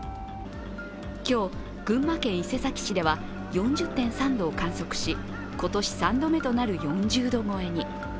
今日、群馬県伊勢崎市では４０．３度を観測し、今年３度目となる４０度超えに。